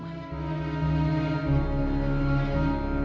ibu sudah diserah ibu ga bisa masuk rumah